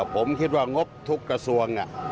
ผมคิดว่างบทุกกระทรวง